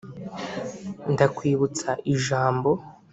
Ndakwibutsa ijambo